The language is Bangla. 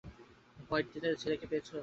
হোয়াইট ডেথের ছেলেকে পেয়েছো?